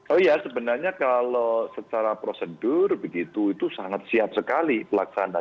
oh ya sebenarnya kalau secara prosedur begitu itu sangat siap sekali pelaksanaan